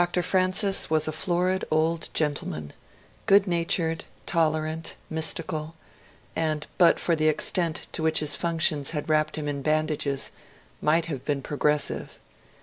Dr. Francis was a florid old gentleman, good natured, tol erant, mystical, and, but for the extent to which his functions had wrapped him in bandages, might have been progressive.